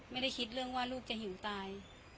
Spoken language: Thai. ไม่ได้คิดเรื่องว่าลูกจะหิวตาย